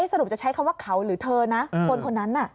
สรุปจะใช้คำว่าเขาหรือเธอนะคนคนนั้นน่ะ